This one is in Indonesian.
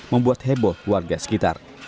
membuat heboh warga sekitar